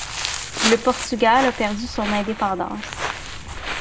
Le Portugal a perdu son indépendance.